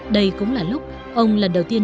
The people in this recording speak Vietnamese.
đây cũng là lúc ông lần đầu tiên